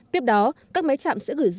tiếp đó các máy chạm sẽ được gửi trực tiếp